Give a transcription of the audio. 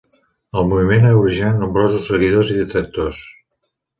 El moviment ha originat nombrosos seguidors i detractors.